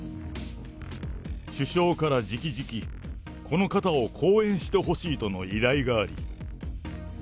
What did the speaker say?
首相からじきじき、この方を後援してほしいとの依頼があり。